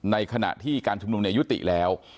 ในขณะที่การชุมนุมยุติแล้ว